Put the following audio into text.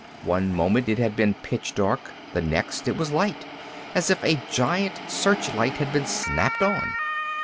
One moment it had been pitch dark, the next it was light, as if a giant search light had been snapped on.